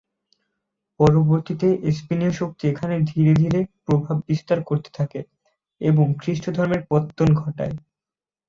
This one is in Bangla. পরবর্তীতে স্পেনীয় শক্তি এখানে ধীরে ধীরে প্রভাব বিস্তার করতে থাকে এবং খ্রিস্টধর্মের পত্তন ঘটায়।